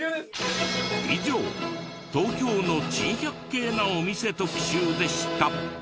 以上東京の珍百景なお店特集でした。